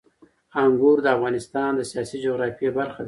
انګور د افغانستان د سیاسي جغرافیه برخه ده.